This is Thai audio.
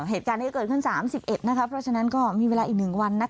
เหตุการณ์นี้เกิดขึ้น๓๑เพราะฉะนั้นก็มีเวลาอีก๑วัน